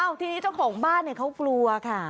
อ้าวทีนี้เจ้าของบ้านเนี้ยเขากลัวค่ะค่ะ